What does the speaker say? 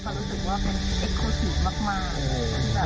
ก็รู้สึกว่าเป็นที่เอกโคซิฟท์มาก